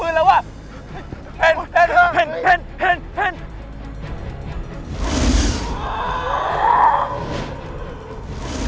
ไปไอ้มายอยู่ออกชีวิตให้ไว้